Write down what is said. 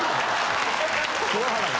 桑原が？